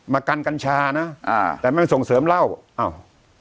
มากันกัญชานะอ่าแต่ไม่ส่งเสริมเหล้าอ้าว